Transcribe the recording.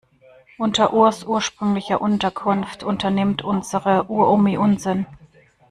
Unter Urs ursprünglicher Unterkunft unternimmt unsere Uromi Unsinn.